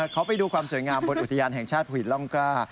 เขาไปดูความสวยงามบนอุทิญาณของผู้หญิงร่องกล้า